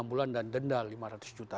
enam bulan dan denda lima ratus juta